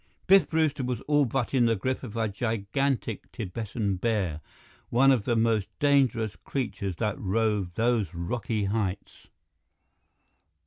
Biff Brewster was all but in the grip of a gigantic Tibetan bear, one of the most dangerous creatures that roved those rocky heights!